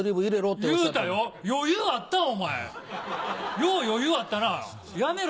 よう余裕あったなやめろ！